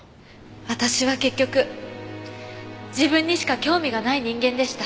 私は結局自分にしか興味がない人間でした。